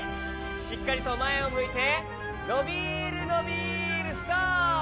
しっかりとまえをむいてのびるのびるストップ！